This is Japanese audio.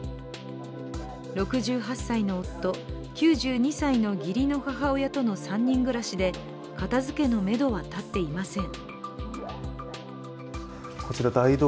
６８歳の夫、９２歳の義理の母親との３人暮らしで、片づけのめどは立っていません。